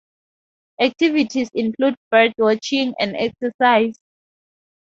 Activities include bird watching and exercise.